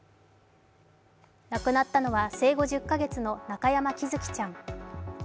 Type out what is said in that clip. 亡くなったのは生後１０か月の中山喜寿生ちゃん。